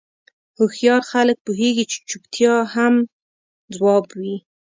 هوښیار خلک پوهېږي چې چوپتیا هم ځواب وي.